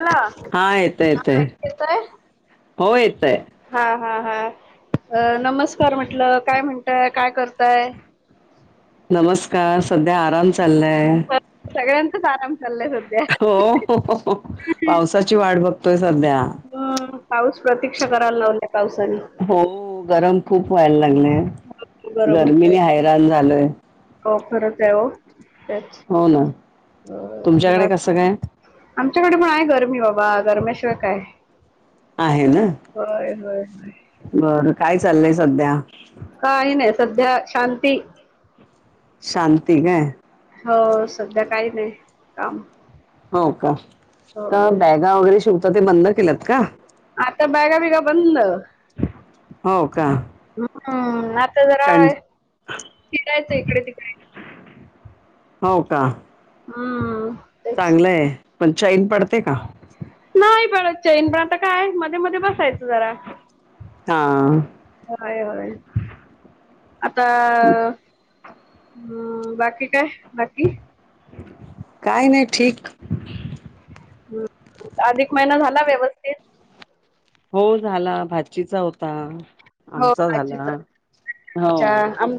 [unintelligible] हा येतय येतय हो येतय हा हा नमस्कार म्हटलं काय म्हणताय काय करताय नमस्कार सध्या आराम चाललाय सगळ्यांचाच आराम चालाय सध हो पावसाची वाट बघतोय सध्या हम्म पाऊस प्रतीक्षा करायला लावल्या पावसाने हो गरम खूप व्हायला लागलेय गरम होतय गरमीने हैरान झालोय हो खरंच आहे हो. हो ना, अ तुमच्याकडे कसं काय आमच्याकडे पण आहे गरमी बाबा गरमे ट काय? आहे ना, होय होय होय. बरं काय चाललंय सध्या काही नाही सध्या शांती शांती का ह [unintelligible] हो का का बॅगा वगैरे शिवत ते बंद केलंत का? त्या बॅगा बिगा बंद. हो. का हम्म आता जरा कण फिरायचं इकडे तिकडे. हो का हम्म. तेच चांगलंय पण चैन पडते का? नाही चैन पण आता काय मध्ये मध्ये बसायचं जरा हा. होय हय आता. हम्म बाकी काय बाकी काही नाही ठीक. अधिक महिना झाला व्यवस्थित हो झाला भाजीचा होता. हो आमचा झाला आजीचा हो. अच्छा आम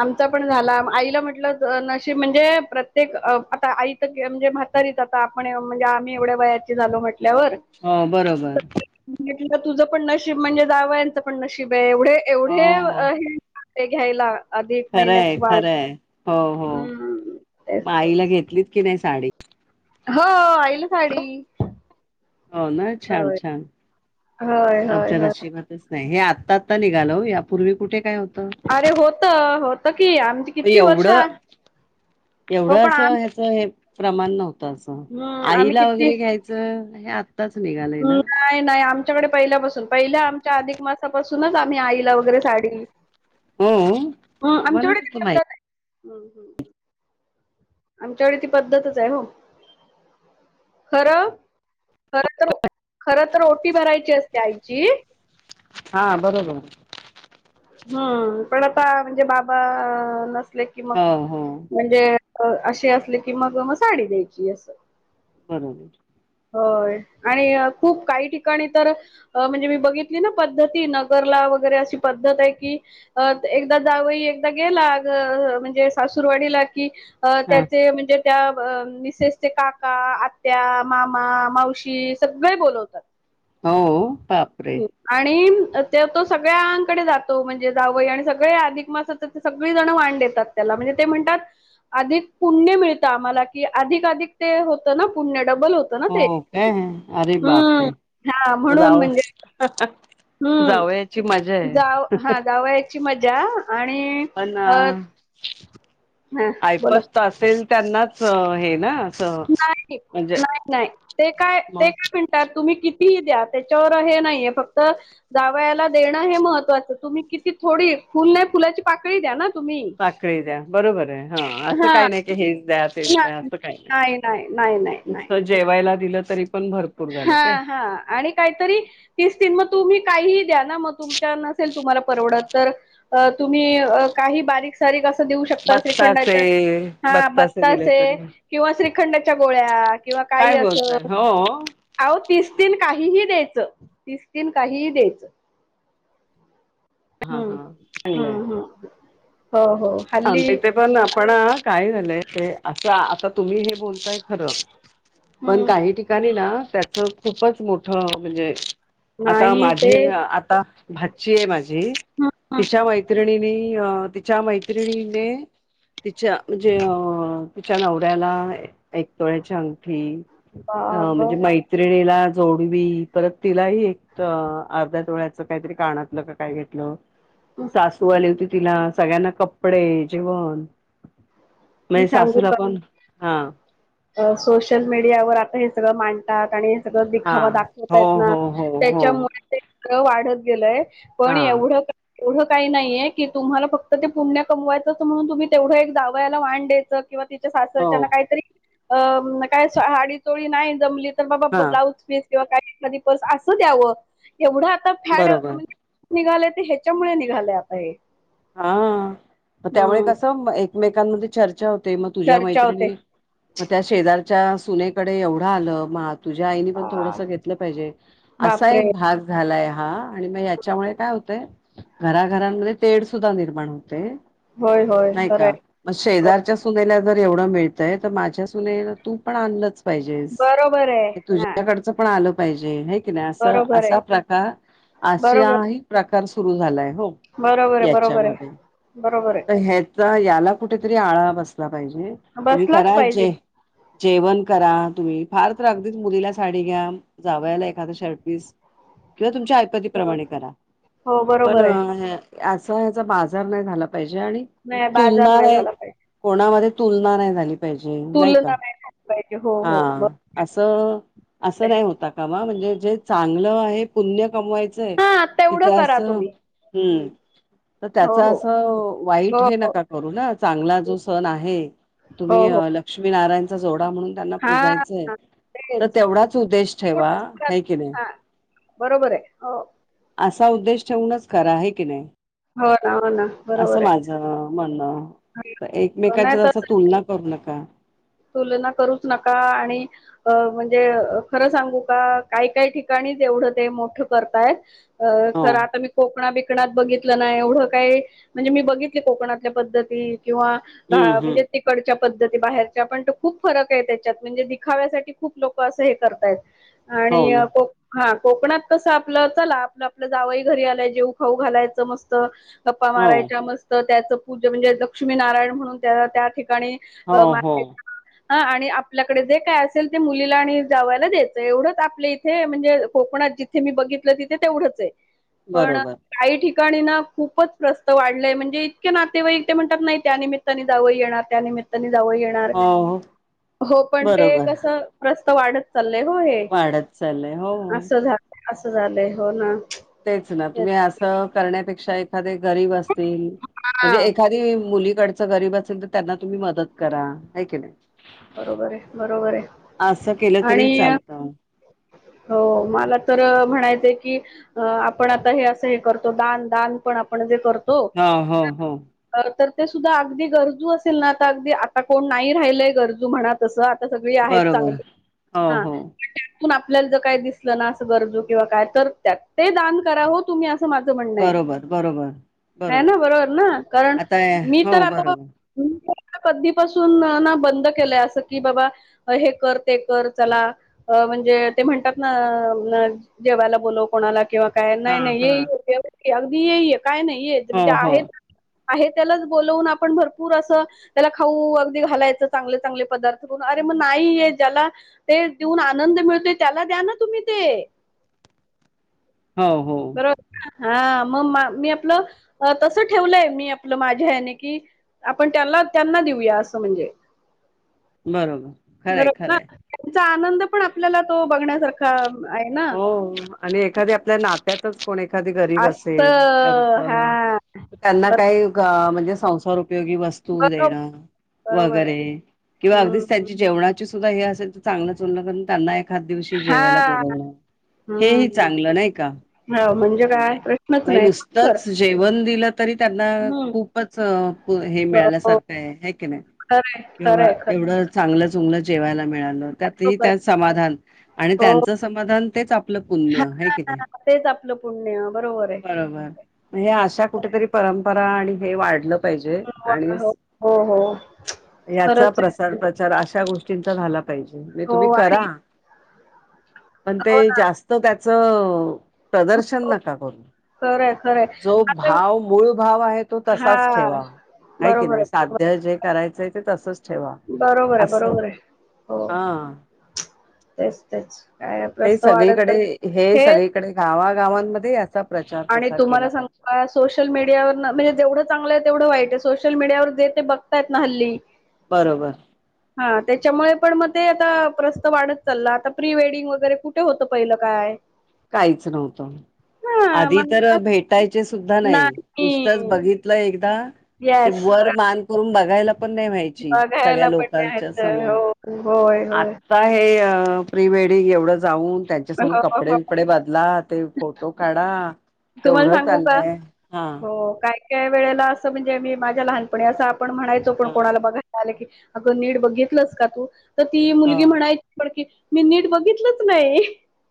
आमचा पण झाला. आईला म्हटलं अ नशीब म्हणजे प्रत्येक अ आता आई तर म्हणजे म्हातारी आता आपण म्हणजे आम्ही एवढ्या वयाची झालो म्हट हो बरोबर. [unintelligible] तुझं पण नशीब म्हणजे जावयांचं पण नशीब आहे एवढे एवढे हो आहे ते घ्यायला. अधिक खरंय महिन्याची वाण खरंय हो हो हम्म तेच म तेच आईला घेतलीत की नाही साडी हो आईल साडी हो ना, छान होय छान होय होय आमच्या होय नशिबातच नाही हे आ आता आता निघालो यापूर्वी कुठे काय हेत अरे होत होत की आमची किती वर्ष एवढं आ- हो एवढं पण अस आम ह्याच हे. प्रमाण नव्हतं असं हम्म आम्ही आईला किती वगैरे घ्यायचं हे आत्ताच निघालंय ना, आमच्या कडे पहिल्यापाून पहिल्या आमच्या अधिक मासापूनच आम्ही आई ला वगैरे साडी हो अ मला आमच्याकडे नव्हतं [unintelligible] माहित हम्म हम्म हम्म. आमच्याकडे ती पद्धतच आहे हो खरं खर तर वो खर तर ओटी भरायची असते आईची हा बरोबर. ह पण आता म्हणजे बाबा नसले कि मग हो हो म्हणजे अ असे असले की मग म साडी द्यायची असं बरोबर. होय आणि खूप काही ठिकाणी तर म्हणजे मी बघितली ना, पद्धती नगरला वगैरे अशी पद्ध पधत आहे की अ एकदा जावई एकदा गेला ज अ म्हणजे सासुरवाडीला कि अ हा त्याचे म्हणजे त्या मिसेसचे काका, आत्या, मामा, मावशी सगळे बोलवतात. हौ आणि ते तो सगळ्यांकडे जातो. म्हणजे जावंय आणि सगळे अधिक मासा ते सगळी जण वाांण देतात त्याला. म्हणजे ते म्हणतात अधिक पुण्य मिळत आम्हाला की अधिकधिक ते होत ना पुण्य. डबल होत ना ते हो काय अरे हम्म बापरे हा म्हणून जाव म्हणजे [inaudible] जावयाची मजा हम्म आहे जाव हा जावयाची मज जा्या आणि अ हा बोला आयपत असेल त्यांनाच हे ना असं नाही म्हणजे नाही नाही ते काय मग ते काय म्हणतात तुम्ही किती फी द्या त्याच्यावर हे नाहीये फक्त जावयाला देणं हे महत्त्वाचं तुम्ही किती थोडी फुल नाही फुलाची पाकळी द्या ना. तुम्ही साखळी द्या. बरोबर आहे. हा असं हां. काही नाही की हेच द्या तेच द्या असं काही नाही. नुसत जेवायला दिलंच हा हा आणि काहीतरी तीस तीन मग तुम्ही काही द्या ना मग तुमचा नसेल तुम्हाला परवडत तुम्ही काही बारीक सारीक देऊ शकता बत्तासे श्रीखंडाच्या हा दिले बत्तासे तरी किंवा श्रीखंडाच्या गोळ्या किंवा म काही काय असं बोलताय हो अहो तिसतीन काहीही द्यायचं. तिसतीन काहीही द्यायचं. हा हं. हा हं, चांगलंय. हं. हो, हो. हल्ली तिथे पण आपण काय झाल अस आता तुम्ही हे बोलताय खर. पण हं. काही ठिकाणी ना त्याच खूपच मोठ म्हणजे आता नाही ते माझी आता भाच्ची आहे माझी. हं, हं. तिच्या मैत्रिणीनी तिच्या मैत्रिणीने तिच्या म्हणजे अ तिच्या नवऱ्याला एकतोळ्याच्या अंगठी अ बाबा! म्हणजे मैत्रिणीला जोडवी परत तिलाही एक अर्ध्या तोळ्याच काहीतरी कानातल काय घेतलं हं. सासू आली होती. तिला सगळ्यांना कपडे जेवण मी म्हणजे सांगू सासूला का? पण हा सोशल मीडियावर आता हे सगळं मांडतात. आणि हा दिखावा दाखवत हो आहेत ना हो हो हो त्याच्यामुळे ते वाढत गेलंय पण हा एवढं एवढं काही नाहीये की तुम्हाला फक्त ते पुण्य कमवायचं म्हणून तुम्ही तेवढं एक जावयाला तीच्या वाण डे च, किंवा तिच्या सासर हो काहीतरी अ साडी चोळी नाही जमली तर बाबा हा ब्लाउज पीस किंवा काही एखादी पर्स असु द्यावं. एवढं आता फॅड बरोबर निघालय ते ह्याच्यामुळे निघालय आता हे. हा त्यामुळे हम्म कसं एकमेकांमध्ये चर्चा होती. ते मग तुझ्या चर्चा होते मैत्रिणी मग त्या शेजारच्या सुनेकडे एवढं आलं. मग तुझ्या आईनी पण हा थोडस घेतलं पाहिजे. असा बापरे एक भाग झालाय. हा आणि मग याच्यामुळे काय होतय घराघरांमध्ये तेड सुद्धा निर्मा होय होय नाही खरंय का म हो शेजारच्या सुनेला जर एवढं मिळतय तर माझ्या सुनेन तू पण आणलच. बरोबर आहे हा तुझ्याकडच पण आल पाहिजे आहे की नाही. असं बरोबर आहे असा प्रकार बरोबर अशा ही प्रकार सुरू झालाय. हो बरोबर आहे. बरोबर आहे. याच्यामध्ये बरोबर आहे. तर ह्याचा याला कुठेतरी आळा बसला पाहिजे. तुम्ही बसलाच कराल पाहिजे जे जेवण करा. तुम्ही फार तर अगदीच मुलीला साडी घ्या. जावयला एखाद शर्ट पीस [inaudible] किंवा तुमच्या बरोबर. ऐपतीप्रमाणे करा हो पण बरोबर आहे अस ह्याचा बाजार नाही झाला पाहि जे आणि नाही बाजार तुलना नाही झाला पाहिजे कोणामध्ये तुलना नाही झाली पाहिजे नाही का? तुलना झाली पाहिजे हो हा हो बरोबर असं असं आहे नाही होता कामा म्हणजे जे चांगलं आहे पुण्य कमवायचंय हा तिथे तेवढं करा असं तुम्ही हम्म तर हो त्याचा हो अस वाईट हो हे हो नका करू ना चांगला जो सण आहे. हो तुम्ही हो लक्ष्मीनारायणचा जोड म्हणून त्यांना हा पुजायचंय हा तेच तर तेवढाच उद्देश ठेवा तेवढंच करा. हाय की नाही. हा बरोबर आहे हो असा उद्देश ठेवूनच करा आहे की नाही. हो ना हो ना असं बरोबर आहे माझ म्हणणं तर हा. नाही एकमेकाच्या असं तसं तुलना करू नका. तुलना करूच नका आणि म्हणजे खरं सांगू का काही काही ठिकाणी तेवढं ते मोठं करतायेत हो तर आता मी कोकणा कोकणात बघितलं नाही एवढं काय म्हणजे मी बघितले कोकणातल्या पद्धती किंवा घ हम्म हम्म म्हणजे तिकडच्या पद्धती बाहेर पण खूप फरक आहे त्याच्यात म्हणजे दिखाव्यासाठी खूप लोक असं हे करतायत. हो आणि ना कोक हा कोकणात कसं आपलं चला आपलं आपलं जावई घरी आला जेऊ खाऊ घालायचं मस्त गप्पा हो मारायच्या मस्त त्याचं पूजा म्हणजे लक्ष्मी नारायण म्हणून त्या त्या ठिकाणी हो हो हा आणि आपल्याकडे जे काय असेल ते मुलीला आणि जावायला द्यायचं एवढंच आपले इथे म्हणजे कोकण णात जिथे मी बघितलं तिथे तेवढंच आहे पण बरोबर काही ठिक ठिकाणी खूपच प्रस्त वाढलेय म्हणजे इतके नातेवाईक ते म्हणतात नाही त्या निमित्ताने जावं येणार त्या निम त्ताने जावई येणार हो हो हो पण बरोबर तेकसं प्रस्थ वाढत चाल होय वाढत चाललंय हो हो अस झा अस झालंय हो ना तेच ना तुम्ही असं करण्यापेक्षा एखाद गरीब असतील हा म्हणजे एखादी मुली डच गरीब असेल तर त्यांना तुम्ही मदत करा हाय की नाही. बरोबर आहे बरोबर आहे असं केलं तरी आणि चालतं हो मला तर म्हणायचय की आपण आता हे असं हे करतो दान दान पण आपण जे करतो हा हो हो तर ते सुद्धा अगदी गरजू असेल ना आता अगदी आता कोण नाही राहिलय गरजू खरा तसा सगळी आहेत बरोबर चांगली हो हा हो आपल्याला जर काय दिसलं ना अस गरजू किंवा काय तर त्यात ते दान करावं तुम्ही अस बरोबर बरोबर है ना बरोबर ना कारण आता मी तर हो आता बरोबर कधी पासून ना बंद केलंय अस की बाबा हे कर ते कर चला म्हणजे ते म्हणतात ना जेवायला बोलाव कोणाला किंवा काय हा नाही नाही येई हा एवढ अगदी ये येे काय नाही येेत हो म्हणजे हो आहेत आहे त्यालाच बोलवून आपण भरपूर असं त्याला खाऊ अगदी घालायचं चांगले चांगले पदार्थ करून अरे मग नाही ज्याला ते देऊन आनंद मिळतोय त्याला द्या ना तुम्ही ते हो हो बरोबर हा मग मी आपलं तस ठेवलंय मी आपलं माझ्या याने की आपण त्यांना त्यांना देऊया असं म्हणजे बरोबर खरंय खरंय चा आनंद पण आपल्याला तो बघण्यासारखा आहे ना हो आणि एखाद्या आपल्या नात्यातच कोण आहे. एखादी गरीब असत असेल त्यां हा तेव्हा त्यांना बर- काही म्हणजे संसार उपयोगी वस्तू बरोबर देणं बरोबर आहे वगैरे किंवा अगदीच हम्म त्यांची जेवणाची सुद्धा हे असेल तर चांगलं चुललं करून त्यांना एखाद दिवशी जेवायला हा पुरवणं हे ह हम्म चांगलं नाही का हो काय म्हणजे प्रश्नच नाही बरोबर नुसतच जेवत तरी त्यांना हम्म खूपच हे हो हो. मिळाल्यासारखं आहे ह की नाही खरंय किंवा खरंय खरं एवढं चांगलंच चुगल जेवायला मिळाल त्यात ही बरोबर त्यात आहे. समाधान हो तेच आपलं पुण्य आहे हा, कि नाही तेच आपलं पुण्य बरोबर आहे बरोबर हे अशा कुठेतरी परंपरा आणि हे वाढ म्हणलं पाहिजे आणि हो हो हो हो. याचा खरंच प्रसार आहे प्रचार अशा गोष्टी चिं झाला पाहिजे म्हणज हो तुम्ही करा आणि पण ते हो ना जास्त त्याच प्रदर्शन नका करू खरंय खरंय जो आता भाव मूळ भाव आहे तो हा तसाच ठेवा आहे की नाही साध्य जे करायचंय ते तसच ठेवा बरोबर बरोबर आहे असं बरोबर आहे हो हा तेच तेच काय ते प्रस सगळीकडे हे सगळीकडे गावागावांमध्ये यांचा आणि तुम्हाला सांगूका सोशल मीडियावर म्हणजे जेवढं चांगलं आहे तेवढं वाईट सोशल मीडियावर जे ते बघतायत ना हल्ली बरोबर हा त्याच्यामुळे पण मग ते आता प्रस्त वाढत चालला आता प्री वेडिंग वगैरे कुठे होतं पहिलं काय काहीच नव्हत हा आधी मग तर आता भेटायचे नाही नुसतच बघितलं एकदा येस वर मान करून बघाय पण नाही व्हायची सगळ्या बघायला पण लोकांच्या नाही समोर हो होय होय आजता [unintelligible] हे प्री वेडिंग एवढं जाऊन त्यांच्या समोर हो, कपडे हो. विपडे बदला ते फोटो काढा तुम्हाला केवढ चाललंय हा त्या वेळेला असं म्हणजे मी माझ्या लहानपणी असं आपण म्हणायचो पण हा कोणाला बघायला आलं की अगं नीट बघितलंस का तू तर ती हा मुलगी म्हणायची पण की मी नीट बघितलंच नाही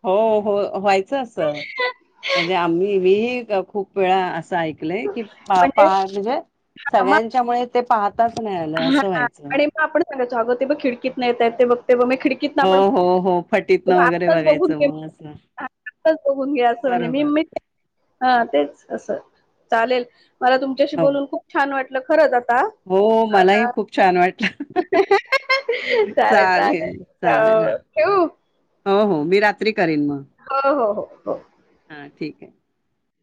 हो हो व्हायचं अस म्हणजे आम्ही ही खूप वेळा अस क [unintelligible] म्हणजे हां, मग सगळ्यांच्या मुळे ताच [unintelligible] नाही आलं असं व्हायचं स [unintelligible] अगं ते बघ खिडकीत येत ते बघ तेव्हा मी खिडकीत ना हो, आपण हो, हो. ते फटीतनं वगैरे आत्ताच बघून बघायचं घे मग असं. आता बघून घ्या असं म्हणजे मी बरोबर. हा तेच असं चालेल मला तुमच्याशी हो. बोलून खूप छान वाटलं खरं हो मलाही खूप छान वाटलं चालेल सले चालेल. हां. [unintelligible] ठेवू हो हो मी रात्री करेन मग हो हो हो हो ह ठीक आहे